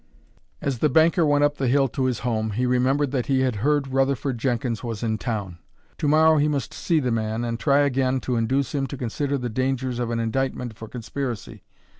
As the banker went up the hill to his home he remembered that he had heard Rutherford Jenkins was in town. To morrow he must see the man and try again to induce him to consider the dangers of an indictment for conspiracy.